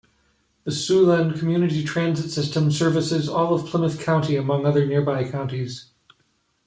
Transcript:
The Siouxland Community Transit System services all of Plymouth County among other nearby counties.